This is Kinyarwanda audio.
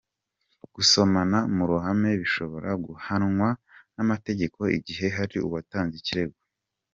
Gusomana mu ruhame bishobora guhanwa n’amategeko igihe hari uwatanze ikirego.